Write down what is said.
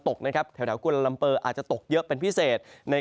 ตกนะครับแถวกุลลัมเปอร์อาจจะตกเยอะเป็นพิเศษ